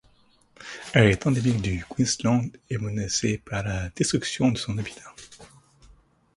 Elle est endémique du Queensland et menacée par la destruction de son habitat.